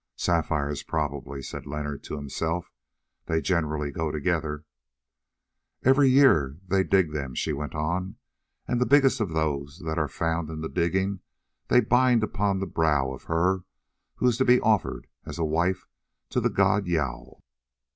"Sapphires probably," said Leonard to himself: "they generally go together." "Every year they dig them," she went on, "and the biggest of those that are found in their digging they bind upon the brow of her who is to be offered as a wife to the god Jâl.